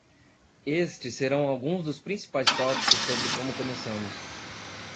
Estes serão alguns dos principais tópicos sobre como começamos.